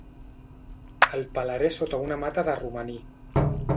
El pelaré sota una mata de romaní.